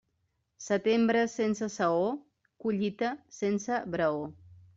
Setembre sense saó, collita sense braó.